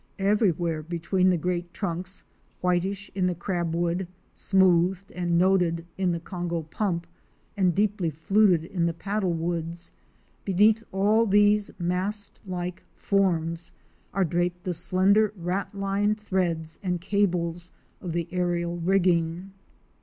Everywhere between the great trunks — whitish in the Crabwood, smoothed and noded in the Congo Pump, and deeply fluted in the Paddlewoods — between all these mast like forms, are draped the slender ratline threads and cables of the aérial rigging.